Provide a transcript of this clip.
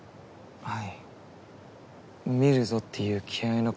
はい。